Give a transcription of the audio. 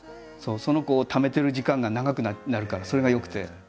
そのためてる時間が長くなるからそれがよくて。